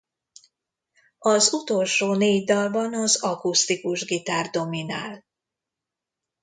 Az utolsó négy dalban az akusztikus gitár dominál.